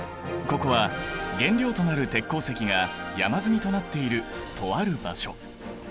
ここは原料となる鉄鉱石が山積みとなっているとある場所。